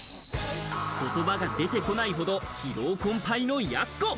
言葉が出てこないほど疲労困憊のやす子。